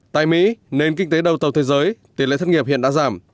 tại mỹ nền kinh tế đầu tàu thế giới tỷ lệ thất nghiệp hiện đã giảm